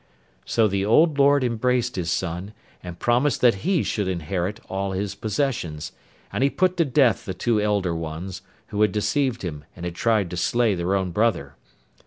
So the old lord embraced his son, and promised that he should inherit all his possessions, and he put to death the two elder ones, who had deceived him and had tried to slay their own brother.